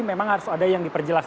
memang harus ada yang diperjelas